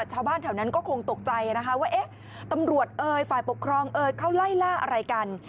ชาวบ้านแถวนั้นก็คงตกใจนะคะว่าเอ๊ะตำรวจเอ่ยฝ่ายปกครองเอ่ยเขาไล่ล่าอะไรกัน